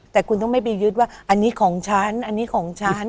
แต่คุณต้องไม่ไปยึดว่าอันนี้ของฉันอันนี้ของฉัน